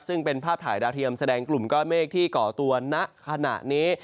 ซึ่งเป็นภาพถ่ายดาวเทียมแสดงกลุ่มก้อนเมฆที่ก่อตัวณขณะนี้